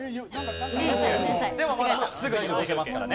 でもまだすぐに押せますからね。